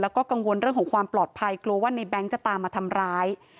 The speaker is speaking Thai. แล้วก็กังวลเรื่องของความปลอดภัยกลัวว่าในแบงค์จะตามมาทำร้าย